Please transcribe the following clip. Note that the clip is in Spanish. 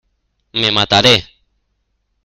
¡ me mataré!...